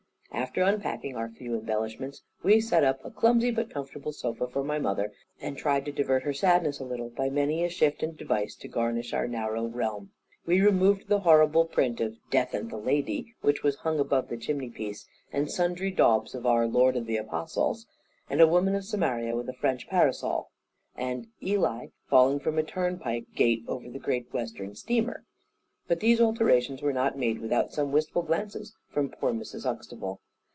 After unpacking our few embellishments, we set up a clumsy but comfortable sofa for my mother, and tried to divert her sadness a little by many a shift and device to garnish our narrow realm. We removed the horrible print of "Death and the Lady," which was hung above the chimneypiece, and sundry daubs of our Lord and the Apostles, and a woman of Samaria with a French parasol, and Eli falling from a turnpike gate over the Great Western steamer. But these alterations were not made without some wistful glances from poor Mrs. Huxtable.